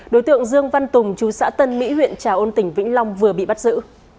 đối tượng dương văn tùng chú xã tân mỹ huyện trà ôn tỉnh vĩnh long vừa bị bắt giữ